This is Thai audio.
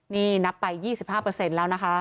นี่นับไป๒๕แล้วนะคะ